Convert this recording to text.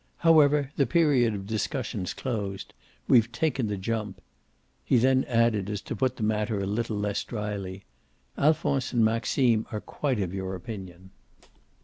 However, the period of discussion's closed. We've taken the jump." He then added as to put the matter a little less dryly: "Alphonse and Maxime are quite of your opinion."